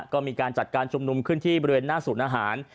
ก็มีการจัดการชุมนุมขึ้นที่บริเวณหน้าศูนย์อาหาร